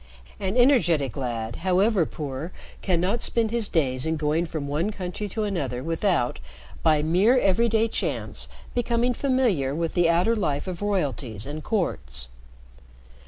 An energetic lad, however poor, cannot spend his days in going from one country to another without, by mere every day chance, becoming familiar with the outer life of royalties and courts.